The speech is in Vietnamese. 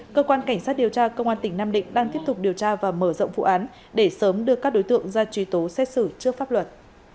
cơ quan cảnh sát điều tra công an tỉnh nam định đang tiếp tục điều tra và mở rộng vụ án để sớm đưa các đối tượng ra truy tố xét xử trước pháp luật